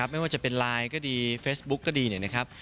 ไม่ว่าจะเป็นไลน์ก็ดีเฟซบุ๊กก็ดีเนี่ยนะครับ